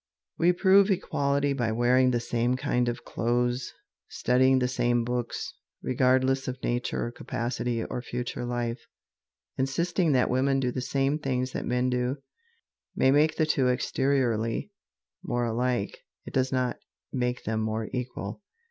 We prove equality by wearing the same kind of clothes, studying the same books, regardless of nature or capacity or future life. Insisting that women do the same things that men do, may make the two exteriorly more alike it does not make them more equal.